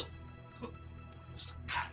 tuh perlu sekali